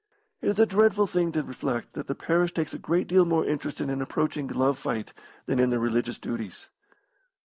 It is a dreadful thing to reflect that the parish takes a great deal more interest in an approaching glove fight than in their religious duties."